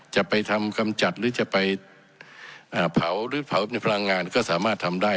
จะไปทำกำจัดหรือจะไปเผาหรือเผาในพลังงานก็สามารถทำได้